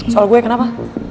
soal gue kenapa